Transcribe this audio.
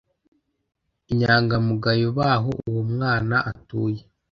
inyangamugayo b aho uwo mwana atuye